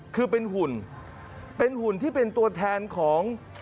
คือเป็นหุ่นเป็นหุ่นที่เป็นตัวแทนของ